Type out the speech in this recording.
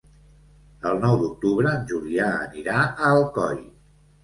El nou d'octubre en Julià anirà a Alcoi.